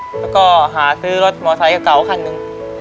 แล้วก็หาซื้อรถมอเบอร์ไซซ์กะเฒาครั้นหนึ่ง